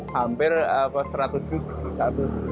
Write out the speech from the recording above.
hampir seratus juta